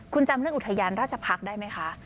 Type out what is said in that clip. คุณจำเรื่องอุทยานราชพักษ์ได้ไหมคะ